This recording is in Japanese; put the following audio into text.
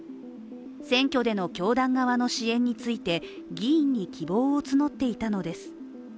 選挙での教団側の支援について議員に希望を募っていたのです。